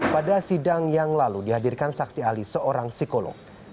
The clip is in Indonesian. pada sidang yang lalu dihadirkan saksi ahli seorang psikolog